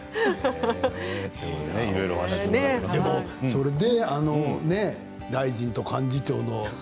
それで大臣と幹事長の。